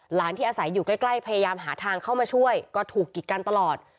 หลานที่อาศัยอยู่ใกล้พยายามหาทางเข้ามาช่วยก็ถูกกิดกันตลอด